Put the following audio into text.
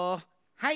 はい！